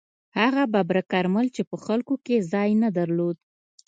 هغه ببرک کارمل چې په خلکو کې ځای نه درلود.